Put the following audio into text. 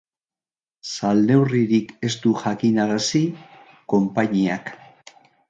Salneurririk ez du jakinarazi konpainiak.